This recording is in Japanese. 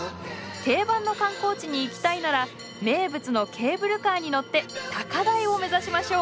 定番の観光地に行きたいなら名物のケーブルカーに乗って高台を目指しましょう。